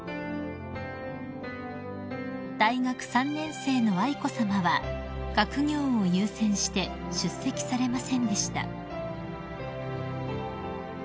［大学３年生の愛子さまは学業を優先して出席されませんでした］